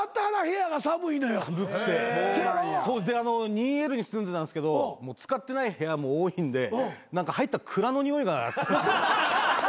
２Ｌに住んでたんですけどもう使ってない部屋も多いんで入ったら蔵のにおいが。